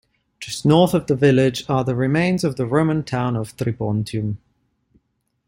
Just north of the village are the remains of the Roman town of Tripontium.